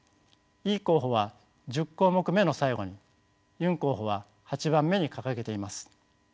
イ候補は１０項目の最後にユン候補は８番目に掲げています。